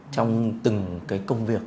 trong từng cái công việc